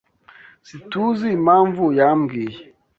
SiTUZI impamvu yambwiye.